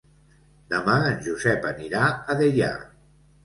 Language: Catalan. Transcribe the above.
Demà en Josep anirà a Deià.